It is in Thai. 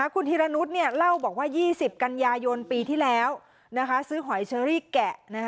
คุณธีรนุษย์เล่าบอกว่า๒๐กันยายนปีที่แล้วซื้อหอยเชอรี่แกะ